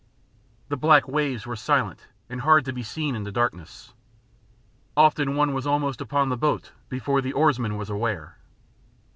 The black waves were silent and hard to be seen in the darkness. Often one was almost upon the boat before the oarsman was aware.